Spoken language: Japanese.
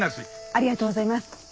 ありがとうございます。